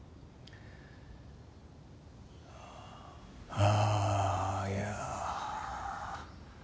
ああいやあ。